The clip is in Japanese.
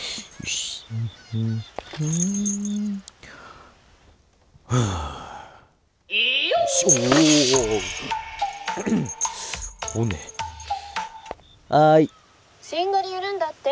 「しんがりやるんだって？」。